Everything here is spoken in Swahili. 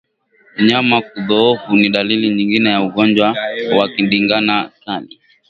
Mnyama kudhoofu ni dalili nyingine ya ugonjwa wa ndigana kali